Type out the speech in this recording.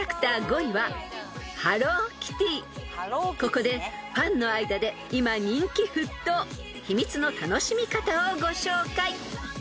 ［ここでファンの間で今人気沸騰秘密の楽しみ方をご紹介］